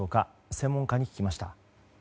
専門家に聞きました。